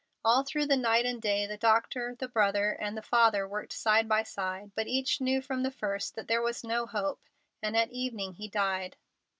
All through the night and day the doctor, the brother, and the father worked side by side, but each knew from the first that there was no hope, and at evening he died.